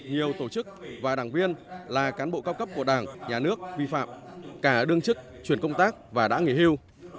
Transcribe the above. nhiều tổ chức và đảng viên là cán bộ cao cấp của đảng nhà nước vi phạm cả đương chức chuyển công tác và đã nghỉ hưu